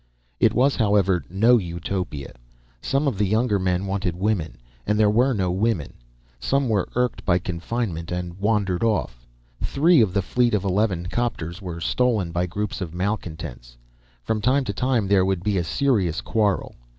It was, however, no Utopia. Some of the younger men wanted women, and there were no women. Some were irked by confinement and wandered off; three of the fleet of eleven 'copters were stolen by groups of malcontents. From time to time there would be a serious quarrel.